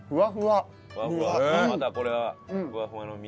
またこれはふわふわの身？